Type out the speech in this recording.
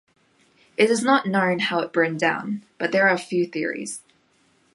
It is not known how it burned down, but there are a few theories.